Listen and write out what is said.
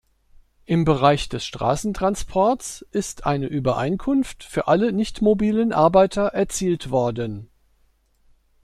Im Bereich des Straßentransports ist eine Übereinkunft für alle nicht-mobilen Arbeiter erzielt worden.